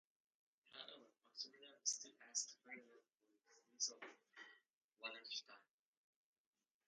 However, Maximillian still asked Ferdinand for the dismissal of Wallenstein.